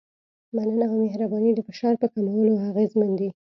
مننه او مهرباني د فشار په کمولو اغېزمن دي.